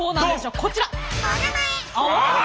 こちら！